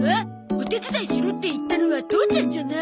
お手伝いしろって言ったのは父ちゃんじゃない。